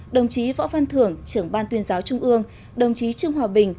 đồng chí võ văn thưởng trưởng ban tuyên giáo trung ương đồng chí trương hòa bình